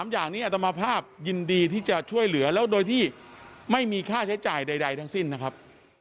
อย่างนี้อัตมาภาพยินดีที่จะช่วยเหลือแล้วโดยที่ไม่มีค่าใช้จ่ายใดทั้งสิ้นนะครับ